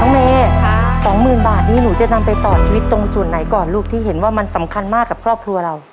เมย์๒๐๐๐บาทนี้หนูจะนำไปต่อชีวิตตรงส่วนไหนก่อนลูกที่เห็นว่ามันสำคัญมากกับครอบครัวเรา